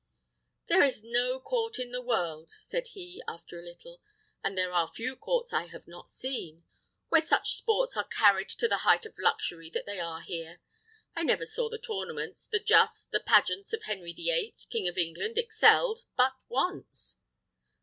"There is no court in the world," said he, after a little "and there are few courts I have not seen where such sports are carried to the height of luxury that they are here. I never saw the tournaments, the justs, the pageants of Henry the Eighth, King of England, excelled but once."